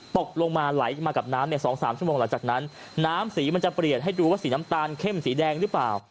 ตกลงมาไหลมากับน้ำเนี่ย๒๓ชั่วโมงหลังจากนั้นน้ำสีมันจะเปลี่ยนให้ดูว่าสีน้ำตาลเข้มสีแดงหรือเปล่า